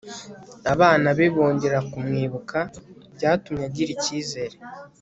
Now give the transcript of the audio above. abana be bongera kumwibuka byatumye agira icyizere